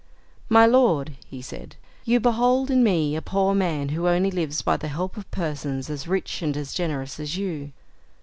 "My lord," he said, "you behold in me a poor man who only lives by the help of persons as rich and as generous as you."